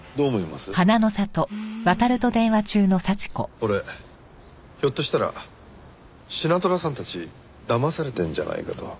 俺ひょっとしたらシナトラさんたち騙されてんじゃないかと。